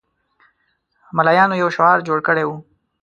ملایانو یو شعار جوړ کړی وو.